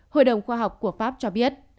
hội đồng khoa học của pháp cho biết